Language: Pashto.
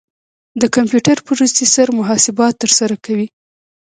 د کمپیوټر پروسیسر محاسبات ترسره کوي.